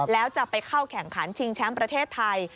แล้วจะไปเข้าแข่งขันชิงแชมป์ประเทศไทย